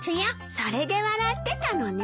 それで笑ってたのね。